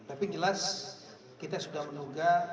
tapi jelas kita sudah menuga